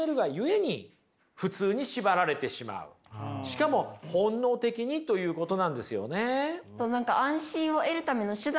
しかも本能的にということなんですよね。